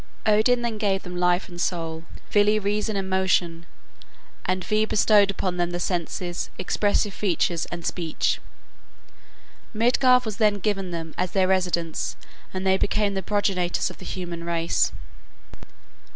Odin then gave them life and soul, Vili reason and motion, and Ve bestowed upon them the senses, expressive features, and speech. Midgard was then given them as their residence, and they became the progenitors of the human race.